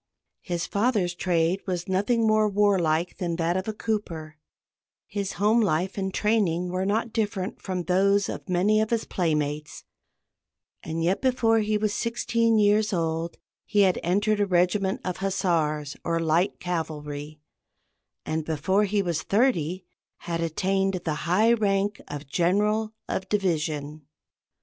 His father's trade was nothing more warlike than that of a cooper; his home life and training were not different from those of many of his playmates; and yet before he was sixteen years old he had entered a regiment of hussars, or light cavalry, and before he was thirty had attained the high rank of general of division.